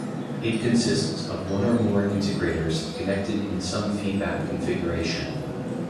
It consists of one or more integrators, connected in some feedback configuration.